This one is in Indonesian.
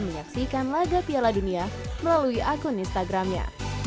menyaksikan laga piala dunia melalui akun instagramnya